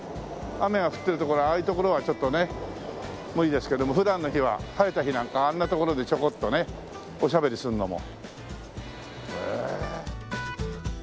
雨が降ってる所ああいう所はちょっとね無理ですけども普段の日は晴れた日なんかあんな所でちょこっとねおしゃべりするのも。